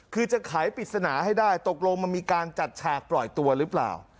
คือจะขายปริศนาให้ได้ตกลงมันมีการจัดฉากปล่อยตัวหรือเปล่า